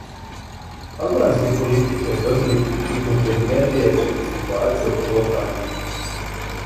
Албански политичари добили критике због неријешене ситуације око локалних избора